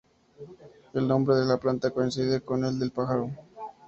El nombre de la planta coincide con el del pájaro.